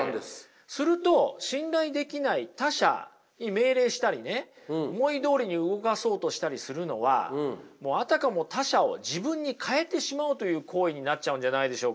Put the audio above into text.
すると信頼できない他者に命令したりね思いどおりに動かそうとしたりするのはもうあたかも他者を自分に変えてしまおうという行為になっちゃうんじゃないでしょうか。